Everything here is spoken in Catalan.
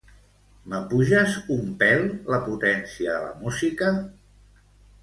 M'apuges un pèl la potència de la música?